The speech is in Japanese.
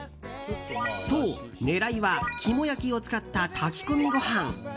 そう、狙いは肝焼きを使った炊き込みご飯。